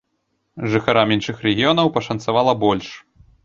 Жыхарам іншых рэгіёнаў пашанцавала больш.